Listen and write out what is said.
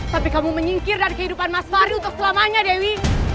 tapi kamu menyingkir dari kehidupan mas fahri untuk selamanya dewi